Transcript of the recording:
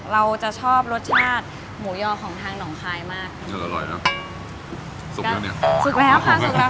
เราจะชอบรสชาติหมูยอของทางหนองคายมากยอดอร่อยครับสุกแล้วเนี่ยอ๋อสุกแล้วค่ะสุกแล้ว